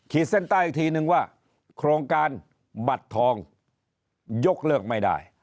เส้นใต้อีกทีนึงว่าโครงการบัตรทองยกเลิกไม่ได้